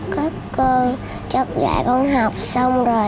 các con chắc là con học xong rồi